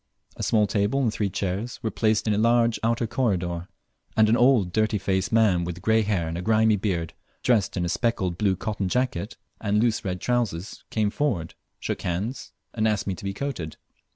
A small table and three chairs were placed in a large outer corridor, and an old dirty faced man with grey hair and a grimy beard, dressed in a speckled blue cotton jacket and loose red trousers, came forward, shook hands, and asked me to be coated.